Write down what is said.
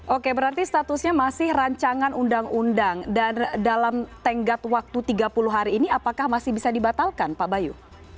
oke berarti statusnya masih rancangan undang undang dan dalam tenggat waktu tiga puluh hari ini apakah masih bisa dibatalkan pak bayu